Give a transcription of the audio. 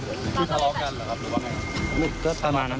คิดทะเลาะกันหรือว่าไง